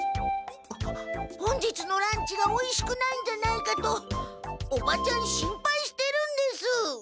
本日のランチがおいしくないんじゃないかとおばちゃん心配してるんです。